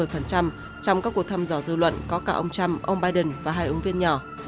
trong các cuộc thăm dò dư luận có cả ông trump ông biden và hai ứng viên nhỏ